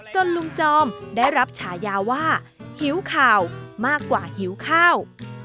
ลุงจอมได้รับฉายาว่าหิวข่าวมากกว่าหิวข้าว